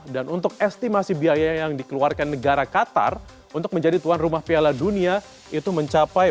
dan untuk estimasi biaya yang dikeluarkan negara qatar untuk menjadi tuan rumah piala dunia itu mencapai